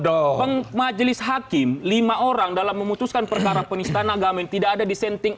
jodoh majelis hakim lima orang dalam memutuskan perkara penistahan agama tidak ada dissenting